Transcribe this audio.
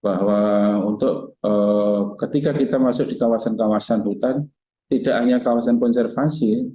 bahwa untuk ketika kita masuk di kawasan kawasan hutan tidak hanya kawasan konservasi